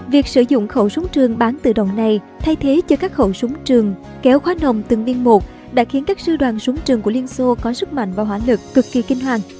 việc sử dụng khẩu súng trường bán tự động này thay thế cho các khẩu súng trường kéo khóa nồng từng viên một đã khiến các sư đoàn súng trường của liên xô có sức mạnh và hỏa lực cực kỳ kinh hoàng